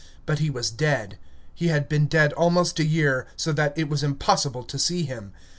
But he was dead. He had been dead almost a year, so that it was impossible to see him.